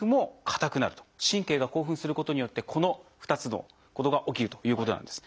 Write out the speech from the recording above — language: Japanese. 神経が興奮することによってこの２つのことが起きるということなんです。